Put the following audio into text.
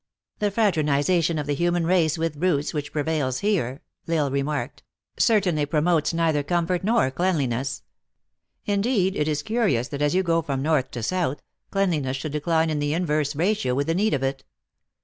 "The fraternization of the human race with brutes, which prevails here," L Isle remarked, " certainly, promotes neither comfort nor cleanliness. Indeed, it is curious, that as you go from north to south, cleanli 148 THE ACTRESS IN HIGH LIFE. ness should decline in the inverse ratio with the need of it.